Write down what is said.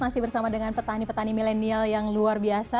masih bersama dengan petani petani milenial yang luar biasa